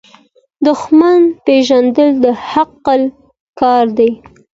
دښمن پیژندل د عقل کار دی.